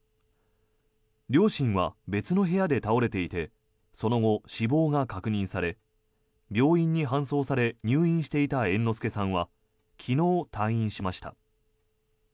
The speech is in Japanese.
両親は別の部屋で倒れていてその後、死亡が確認され病院に搬送され入院していた猿之助さんは昨日、退院しました。